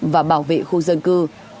và bảo vệ khu dân cư